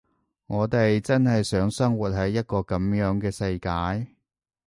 我哋真係想生活喺一個噉樣嘅世界？